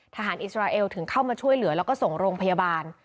อิสราเอลถึงเข้ามาช่วยเหลือแล้วก็ส่งโรงพยาบาล